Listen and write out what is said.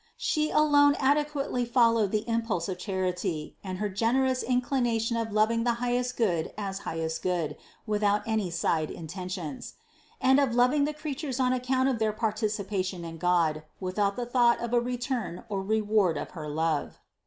She alone adequately followed the impulse of charity and her generous inclination of loving the highest Good as highest Good, without any side intentions ; and of loving the creatures on account of their participation in God, without the thought of a re turn or reward of her love.